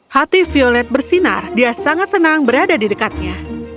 hati violet bersinar dia sangat senang berada di dekatnya